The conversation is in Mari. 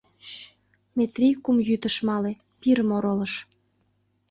Метрий кум йӱд ыш мале — пирым оролыш.